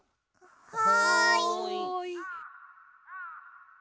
はい。